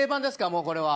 もうこれは。